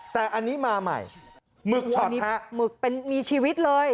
แต่อันนี้มาใหม่หมึกชีวิตหมึกเป็นมีชีวิตเลย